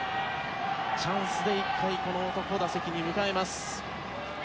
チャンスで一回この男を打席に迎えます。